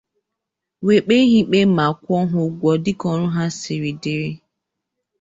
wee kpee ha ikpe ma kwụọ ha ụgwọ dịka ọrụ ha siri dị.